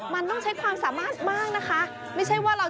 ไม่มีคิดกัน